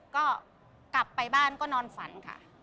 ก็กลับไปบ้านก็นอนฝันค่ะ